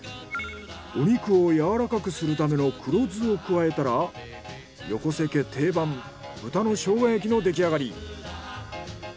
お肉をやわらかくするための黒酢を加えたら横瀬家定番豚のショウガ焼きの出来上がり。